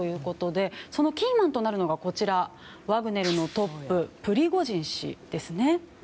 そのキーマンとなるのがこちらワグネルのトッププリゴジン氏ですね。